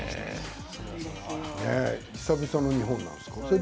久々の日本なんですか？